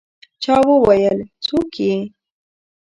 چا وویل: «څوک يې؟»